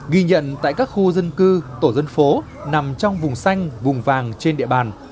ghi nhận tại các khu dân cư tổ dân phố nằm trong vùng xanh vùng vàng trên địa bàn